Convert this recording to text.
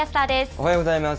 おはようございます。